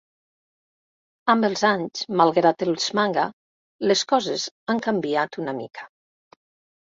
Amb els anys, malgrat els Manga, les coses han canviat una mica.